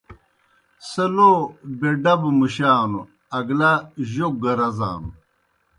سہ لو بے ڈب مُشانوْ اگلہ جوک گہ رزانوْ۔